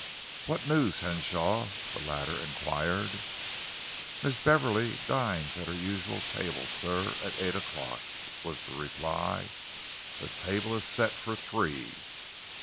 "What news, Henshaw?" the latter enquired. "Miss Beverley dines at her usual table, sir, at eight o'clock," was the reply. "The table is set for three."